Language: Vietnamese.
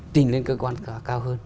trình lên cơ quan cao hơn